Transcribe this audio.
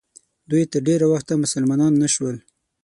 دوی تر ډېره وخته مسلمانان نه شول.